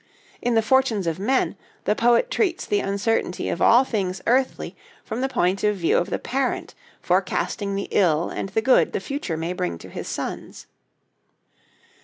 In the 'Fortunes of Men,' the poet treats the uncertainty of all things earthly, from the point of view of the parent forecasting the ill and the good the future may bring to his sons.